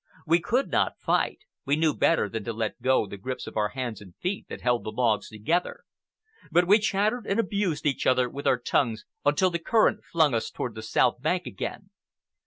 We could not fight. We knew better than to let go the grips of hands and feet that held the logs together. But we chattered and abused each other with our tongues until the current flung us toward the south bank again.